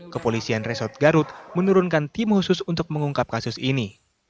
kepolisian resort garut menurunkan tim khusus untuk mengungkap kasus ini